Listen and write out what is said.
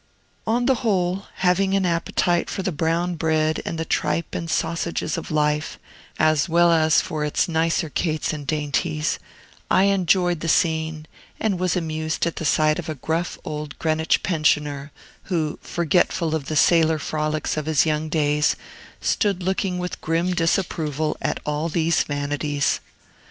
On the whole, having an appetite for the brown bread and the tripe and sausages of life, as well as for its nicer cates and dainties, I enjoyed the scene, and was amused at the sight of a gruff old Greenwich pensioner, who, forgetful of the sailor frolics of his young days, stood looking with grim disapproval at all these vanities.